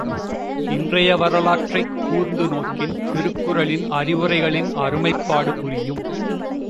இன்றைய வரலாற்றைக் கூர்ந்து நோக்கின் திருக்குறளின் அறிவுரைகளின் அருமைப்பாடு புரியும்.